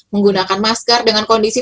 menggunakan masker dengan kondisi